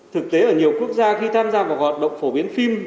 thực tế ở nhiều quốc gia khi tham gia vào hoạt động phổ biến phim